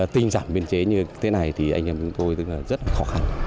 tinh giản biên chế như thế này thì anh em tôi rất khó khăn